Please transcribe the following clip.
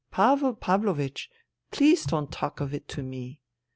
* Pavel Pavlovich, please don't talk of it to me.'